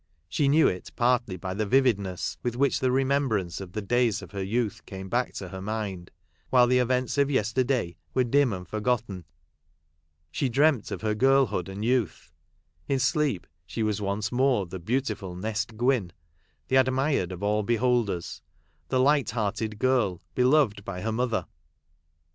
She knew it partly by the vividness with which the remembrance of the days of her youth came back to her mind, while the events of yesterday were dim and forgotten. She dreamt of her girlhood and youth. In sleep she was once more the beautiful Nest Gwynn, the admired of all beholders, the light hearted girl, beloved by her mother.